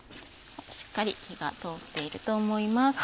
しっかり火が通っていると思います。